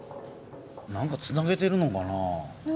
なんかつなげてるのかな？